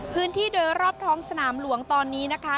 พื้นที่โดยรอบท้องสนามหลวงตอนนี้นะคะ